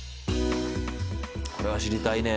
これは知りたいね。